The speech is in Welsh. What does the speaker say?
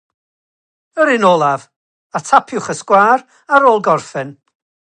Gyda'r tîm, sgoriodd pedair gôl mewn wyth gêm.